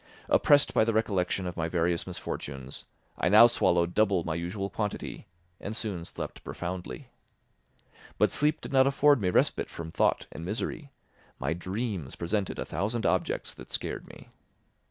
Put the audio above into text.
Oppressed by the recollection of my various misfortunes, I now swallowed double my usual quantity and soon slept profoundly. But sleep did not afford me respite from thought and misery; my dreams presented a thousand objects that scared me.